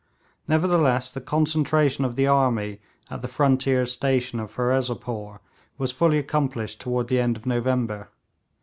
Nevertheless, the concentration of the army at the frontier station of Ferozepore was fully accomplished toward the end of November.